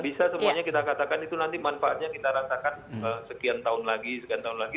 bisa semuanya kita katakan itu nanti manfaatnya kita rasakan sekian tahun lagi sekian tahun lagi